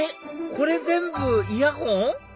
これ全部イヤホン？